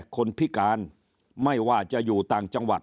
คนพิการไม่ว่าจะอยู่ต่างจังหวัด